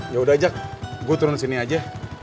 yaudah jak gue turun sini aja